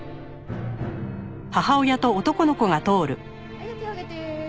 はい手を上げて。